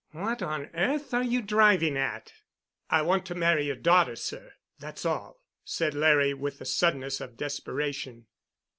"What on earth are you driving at?" "I want to marry your daughter, sir, that's all," said Larry with the suddenness of desperation.